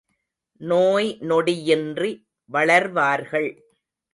நோய் நொடியின்றி வளர்வார்கள்.